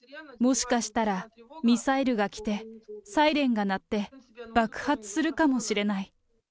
もしかしたらミサイルが来て、サイレンが鳴って、爆発するかもしれない。